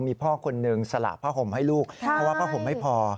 มีพ่อคนหนึ่งสละผ้าห่มให้ลูกเพราะว่าผ้าห่มไม่พอ